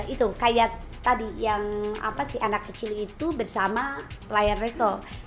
itu kayak tadi yang apa si anak kecil itu bersama pelayan resto